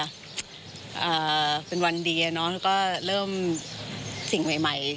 เอ่อเป็นวันดีนะแล้วก็เริ่มสิ่งใหม่ค่ะ